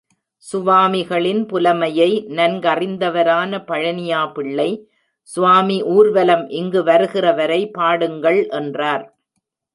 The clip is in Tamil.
சுவாமிகளின் புலமையை நன்கறிந்தவரான பழனியாயிள்ளை, சுவாமி ஊர்வலம் இங்கு வருகிற, வரை பாடுங்கள் என்றார்.